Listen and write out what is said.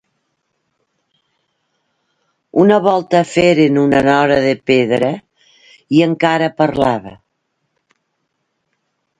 Una volta feren una nora de pedra, i encara parlava.